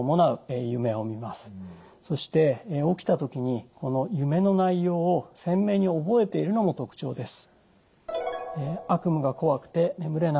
そして起きた時に夢の内容を鮮明に覚えているのも特徴です。